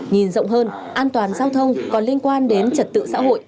nhìn rộng hơn an toàn giao thông còn liên quan đến trật tự xã hội